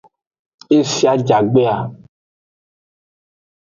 Ese ajagbe a.